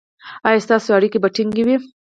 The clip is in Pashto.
ایا ستاسو اړیکې به ټینګې وي؟